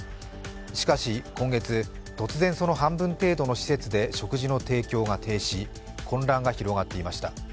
しかし、今月、突然その半分程度の施設で食事の提供が停止、混乱が広がっていました。